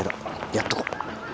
やっとこう。